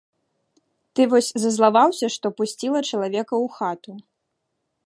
Ты вось зазлаваўся, што пусціла чалавека ў хату.